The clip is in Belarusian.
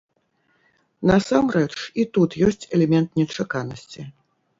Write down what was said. Насамрэч, і тут ёсць элемент нечаканасці.